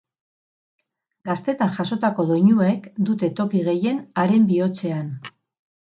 Gaztetan jasotako doinuek dute toki gehien haren bihotzean.